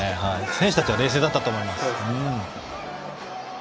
選手たちは冷静だったと思います。